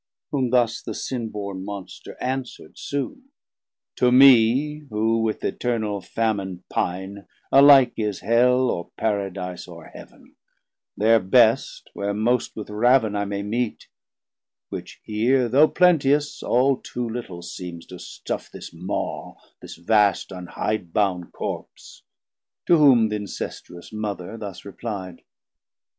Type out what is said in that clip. Whom thus the Sin born Monster answerd soon. To mee, who with eternal Famin pine, Alike is Hell, or Paradise, or Heaven, There best, where most with ravin I may meet; Which here, though plenteous, all too little seems 600 To stuff this Maw, this vast unhide bound Corps. To whom th' incestuous Mother thus repli'd.